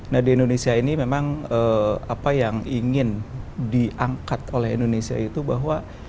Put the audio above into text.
nah di indonesia ini memang apa yang ingin diangkat oleh indonesia itu bahwa